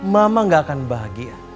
mama gak akan bahagia